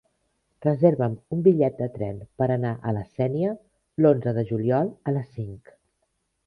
Reserva'm un bitllet de tren per anar a la Sénia l'onze de juliol a les cinc.